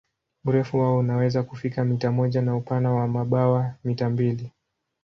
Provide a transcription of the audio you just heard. Urefu wao unaweza kufika mita moja na upana wa mabawa mita mbili.